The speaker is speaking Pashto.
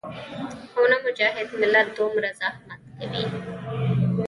او نۀ مجاهد ملت دومره زحمت کوي